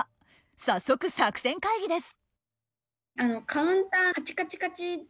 早速作戦会議です！